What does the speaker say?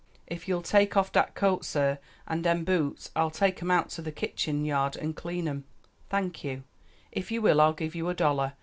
If ye'll take off dat coat, sah, an' dem boots, I'll take 'em out to de kitchen yard an' clean 'em." "Thank you; if you will I'll give you a dollar.